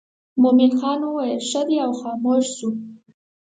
مومن خان ویل ښه دی او خاموش شو.